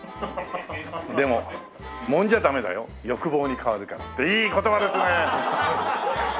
「でももんじゃダメだよ欲望に変わるから」。っていい言葉ですね。